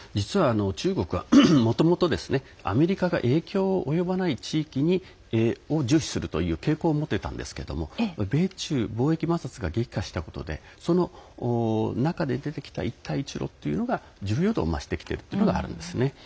実は中国はもともとアメリカが影響を及ばない地域に重視するという傾向を持っていたんですけど米中貿易摩擦が激化したことでその中で出てきた、一帯一路が重要度を増してきているというのがあるんですね。